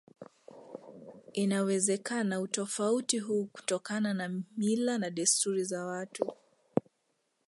Inawezekana utofauti huu hutokana na mila na desturi za watu